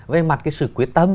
về mặt cái sự quyết tâm